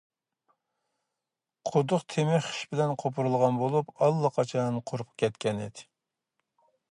قۇدۇق تېمى خىش بىلەن قوپۇرۇلغان بولۇپ، ئاللىقاچان قۇرۇپ كەتكەنىكەن.